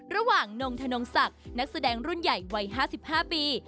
ระหว่างนงธนงศักดิ์นักแสดงรุ่นใหญ่วัย๕๕ปี